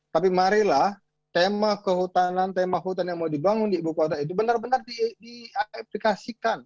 tapi marilah tema kehutanan tema hutan yang mau dibangun di ibu kota itu benar benar di aplikasikan